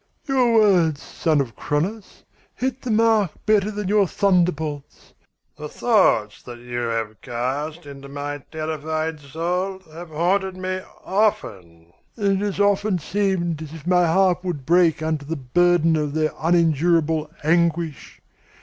"Your words, son of Cronos, hit the mark better than your thunderbolts. The thoughts you have cast into my terrified soul have haunted me often, and it has sometimes seemed as if my heart would break under the burden of their unendurable anguish.